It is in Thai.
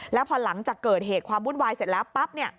แล้วพอหลังจากเกิดเหตุความวุ่นวายเสร็จแล้วปั๊บ